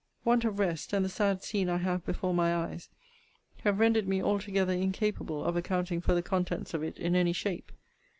Want of rest, and the sad scene I have before my eyes, have rendered me altogether incapable of accounting for the contents of it in any shape.